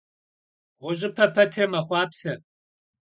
Ğuş'ıpe petre mexhuapse.